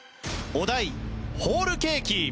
お題ホールケーキ。